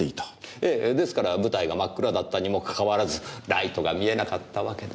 ええですから舞台が真っ暗だったにもかかわらずライトが見えなかったわけです。